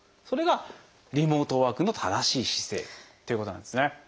それがリモートワークの正しい姿勢っていうことなんですね。